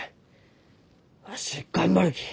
わし頑張るき。